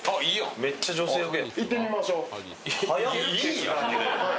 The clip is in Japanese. めっちゃ女性ウケ。